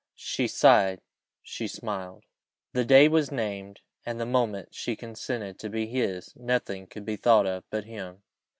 She sighed she smiled. The day was named and the moment she consented to be his, nothing could be thought of but him.